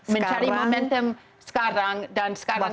mencari momentum sekarang dan sekarang saat ini